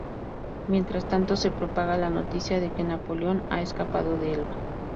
Mientras tanto, se propaga la noticia de que Napoleón ha escapado de Elba.